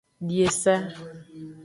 Di esa.